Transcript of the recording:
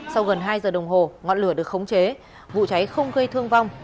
sau gần hai giờ đồng hồ ngọn lửa được khống chế vụ cháy không gây thương vong